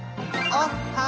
おっは！